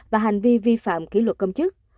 và hành vi vi phạm kỷ luật công chức